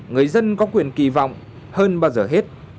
người dân có quyền kỳ vọng hơn bao giờ hết